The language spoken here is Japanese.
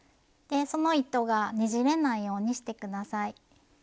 でその糸がねじれないようにして下さい。